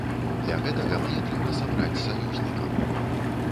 Для гэтага мне трэба сабраць саюзнікаў.